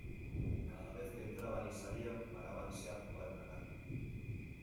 cada vez que entraban y salían parábanse a jugar una carta.